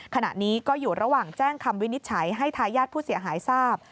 ขณะนี้ก็อยู่ระหว่างแจ้งคำวินิจฉัยให้ทายาทผู้เสียหายทราบ